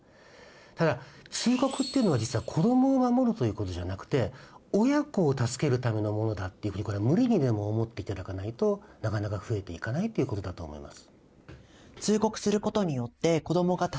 ただ通告っていうのは実は子どもを守るということじゃなくて親子を助けるためのものだっていうふうに無理にでも思っていただかないとなかなか増えていかないということだと思います。